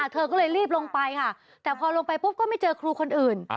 เธอก็เลยรีบลงไปค่ะแต่พอลงไปปุ๊บก็ไม่เจอครูคนอื่น